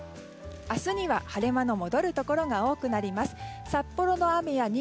明日には晴れ間の戻るところが多くなります。